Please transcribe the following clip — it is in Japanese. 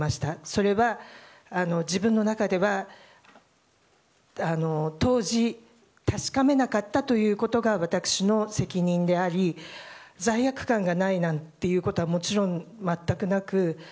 それは、自分の中では当時、確かめなかったということが私の責任であり罪悪感がないなんていうことはもちろん全くなく。